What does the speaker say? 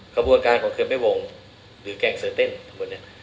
กระบวนการของเขื่อนแม่วงหรือแกล้งเสอเต้นทั้งหมดเนี่ย